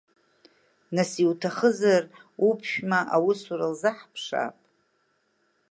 Нас иуҭахызар уԥшәма аусура лзаҳаԥшаап?